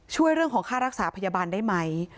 ช่วยเรื่องของค่ารักษาพยาบาลได้ไหม